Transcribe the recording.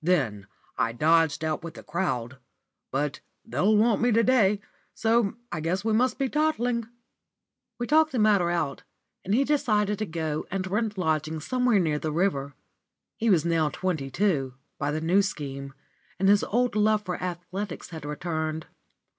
Then I dodged out with the crowd. But they'll want me to day, so I guess we must be toddling." We talked the matter out, and he decided to go and rent lodgings somewhere near the river. He was now twenty two, by the New Scheme, and his old love for athletics had returned.